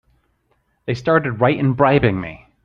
They started right in bribing me!